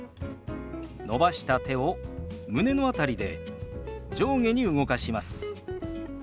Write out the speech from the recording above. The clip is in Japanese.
伸ばした手を胸の辺りで上下に動かします。